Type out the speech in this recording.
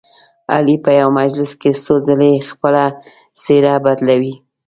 علي په یوه مجلس کې څو ځلې خپله څهره بدلوي.